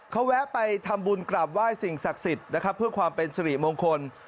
เขาแวะไปทำบุญกราบไหว้สิ่งศักดิ์สิทธิ์นะครับเพื่อความเป็นสิริมงคล